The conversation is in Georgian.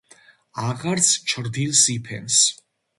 აღარც ჩრდილს იფენს.